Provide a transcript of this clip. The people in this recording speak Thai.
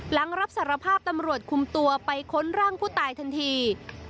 หลังรับสารภาพตำรวจคุมตัวไปค้นร่างผู้ตายทันที